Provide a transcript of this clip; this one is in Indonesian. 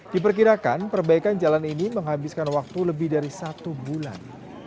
diperkirakan perbaikan jalan ini menghabiskan waktu lebih dari satu bulan